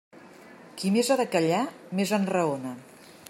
Qui més ha de callar, més enraona.